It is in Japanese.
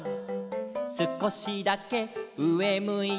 「すこしだけうえむいて」